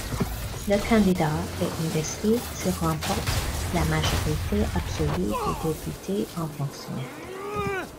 Le candidat est investi s'il remporte la majorité absolue des députés en fonction.